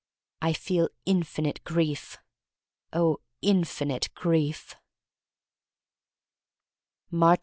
I feel Infinite Grief. Oh, Infinite Grief Aatcb 2.